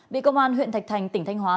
bị công an huyện thạch thành tỉnh thanh hóa